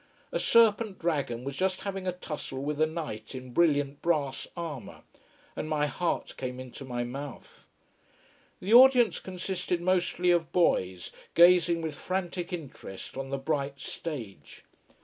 A serpent dragon was just having a tussle with a knight in brilliant brass armour, and my heart came into my mouth. The audience consisted mostly of boys, gazing with frantic interest on the bright stage.